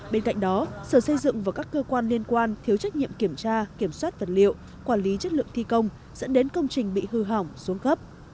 bên cạnh đó sở xây dựng và các cơ quan liên quan thiếu trách nhiệm kiểm tra kiểm soát vật liệu quản lý chất lượng thi công dẫn đến công trình bị hư hỏng xuống cấp